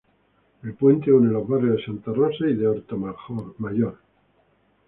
El puente une los barrios de Santa Rosa y de Horta Major.